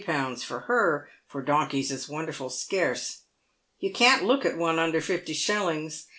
for her, for donkeys is wonderful scarce. You can't look at one under fifty shillings.